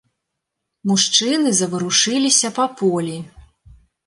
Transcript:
Мужчыны заварушыліся па полі.